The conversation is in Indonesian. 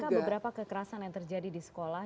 ketika beberapa kekerasan yang terjadi di sekolah